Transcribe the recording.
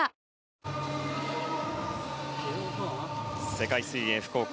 世界水泳福岡。